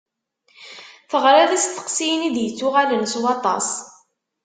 Teɣriḍ isteqsiyen i d-yettuɣalen s waṭas.